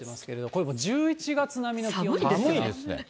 これもう、１１月並みの気温寒いですね。